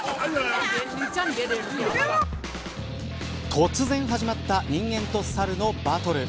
突然始まった人間とサルのバトル。